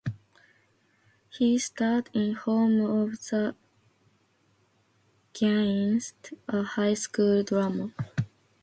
He starred in "Home of the Giants", a high school drama.